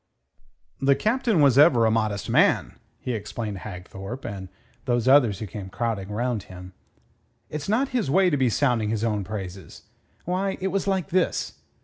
"The Captain was ever a modest man," he explained to Hagthorpe and those others who came crowding round him. "It's not his way to be sounding his own praises. Why, it was like this.